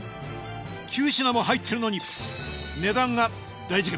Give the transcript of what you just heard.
９品も入っているのに値段が大事件。